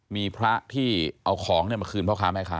มีพระที่เอาของมาคืนพ่อค้าแม่ค้า